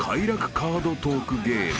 カードトークゲーム］